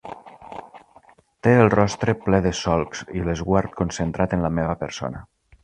Té el rostre ple de solcs i l'esguard concentrat en la meva persona.